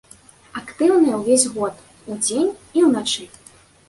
Актыўная ўвесь год, удзень і ўначы.